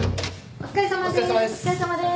お疲れさまです。